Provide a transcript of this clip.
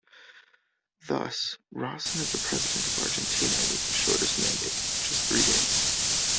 Thus, Rawson is the president of Argentina with the shortest mandate, just three days.